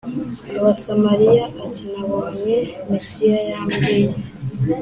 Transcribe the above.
Abasamariya ati nabonye Mesiya Yambwiye